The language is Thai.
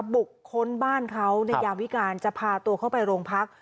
บุคคลบ้านเขาในยามวิการจะพาตัวเข้าไปโรงพัก